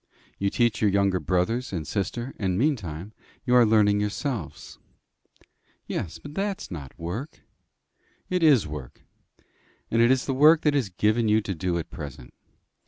You teach your younger brothers and sister, and meantime you are learning yourselves." "Yes, but that's not work." "It is work. And it is the work that is given you to do at present.